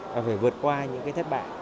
và phải vượt qua những cái thất bại